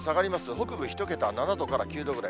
北部１桁、７度から９度ぐらい。